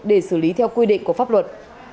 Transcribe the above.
để xử lý theo quy định của pháp luật